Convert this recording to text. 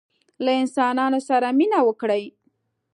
له انسانانو سره مینه وکړئ